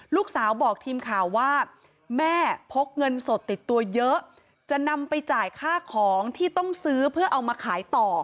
ลูกสาวบอกทีมข่าวว่าแม่พกเงินสดติดตัวเยอะจะนำไปจ่ายค่าของที่ต้องซื้อเพื่อเอามาขายต่อ